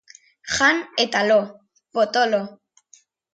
Jan eta lo, potolo.